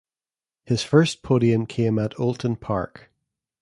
His first podium came at Oulton Park.